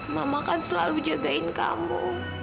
mama kan selalu jagain kamu